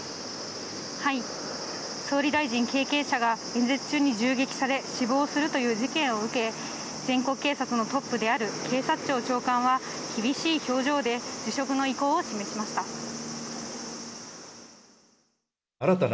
総理大臣経験者が演説中に銃撃され死亡するという事件を受け、全国警察のトップである警察庁長官は、厳しい表情で辞職の意向を示しました。